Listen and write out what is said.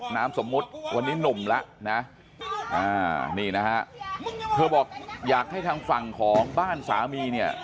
นามสมมุติวันนี้หนุ่มแล้วนะนี่นะฮะเธอบอกอยากให้ทางฝั่งของบ้านสามีเนี่ย